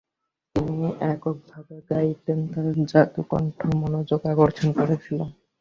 তিনি একক ভাবে গাইতেন, তার জাদু কণ্ঠ মনোযোগ আকর্ষণ করেছিল।